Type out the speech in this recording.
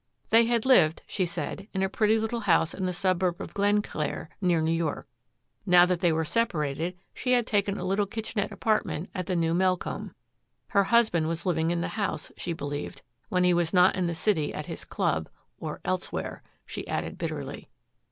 They had lived, she said, in a pretty little house in the suburb of Glenclair, near New York. Now that they were separated, she had taken a little kitchenette apartment at the new Melcombe. Her husband was living in the house, she believed, when he was not in the city at his club, "or elsewhere," she added bitterly.